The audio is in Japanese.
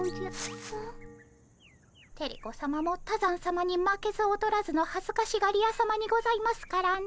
テレ子さまも多山さまに負けず劣らずのはずかしがり屋さまにございますからね。